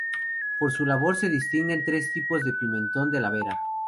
Por su sabor se distinguen tres tipos de pimentón de la Vera.